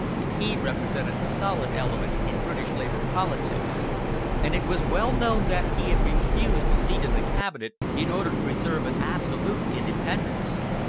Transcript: He represented the solid element in British Labour politics, and it was well known that he had refused a seat in the Cabinet in order to preserve an absolute independence.